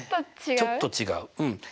ちょっと違ううん。